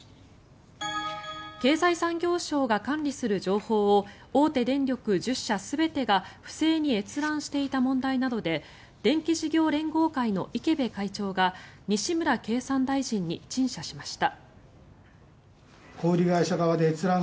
経済産業省が管理する情報を大手電力１０社全てが不正に閲覧していた問題などで電気事業連合会の池辺会長が西村大臣に陳謝しました。